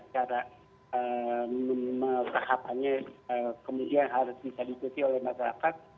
cara mengurangkannya kemudian harus bisa diikuti oleh masyarakat